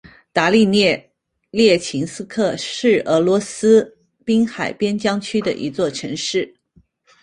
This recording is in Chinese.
达利涅列琴斯克是俄罗斯滨海边疆区的一座城市。